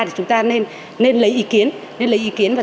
thì chúng ta nên lấy ý kiến